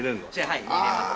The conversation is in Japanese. はい見られます。